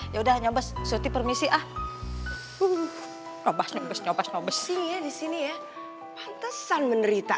ya udah nyobes suti permisi ah uh obat nyobes nyobes ngobes iya di sini ya pantesan menerita